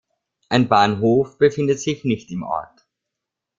Ein Bahnhof befindet sich nicht im Ort.